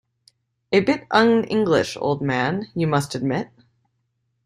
A bit un-English, old man, you must admit.